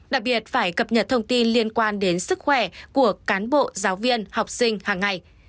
đặc biệt phải cập nhật thông tin liên quan đến sức khỏe của cán bộ giáo viên học sinh hàng ngày